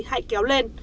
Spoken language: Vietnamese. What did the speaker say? hãy kéo lên